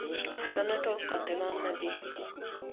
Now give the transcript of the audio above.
پښتانه ټول قاتلان نه دي.